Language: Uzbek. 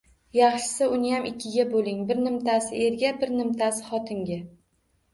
Yaxshisi, uniyam ikkiga bo’ling! Bir nimtasi-erga! Bir nimtasi xotinga!